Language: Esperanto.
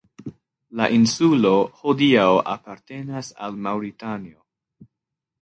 La insulo hodiaŭ apartenas al Maŭritanio.